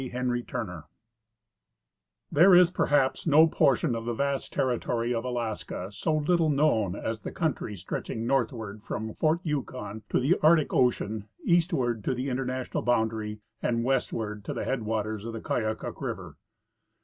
HENRY TUENER There is perhaps no portion of the vast territory of Alaska so little known as the country stretching northward from fort Yukon to the Arctic ocean, eastward to the international boundary, and westward to the headwaters of Koyukuk river.